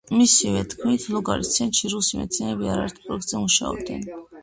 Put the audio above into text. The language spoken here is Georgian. მისივე თქმით, ლუგარის ცენტრში რუსი მეცნიერები არაერთ პროექტზე მუშაობდნენ.